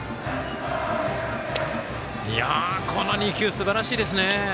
この２球、すばらしいですね。